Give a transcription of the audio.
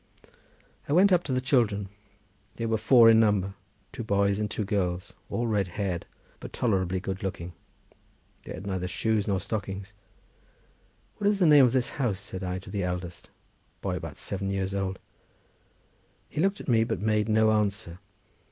I went up to the children; they were four in number, two boys and two girls, all red haired, but tolerably good looking. They had neither shoes nor stockings. "What is the name of this house?" said I to the eldest, a boy about seven years old. He looked at me, but made no answer.